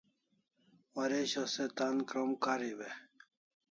Waresho se tan krom kariu e?